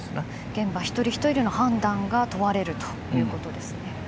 現場一人一人の判断が問われるということですね。